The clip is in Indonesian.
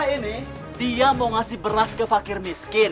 ini dia mau ngasih beras ke fakir miskin